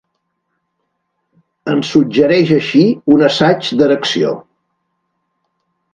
Ens suggereix així un assaig d'erecció.